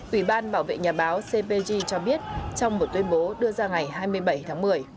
ủy ban bảo vệ nhà báo cpg cho biết trong một tuyên bố đưa ra ngày hai mươi bảy tháng một mươi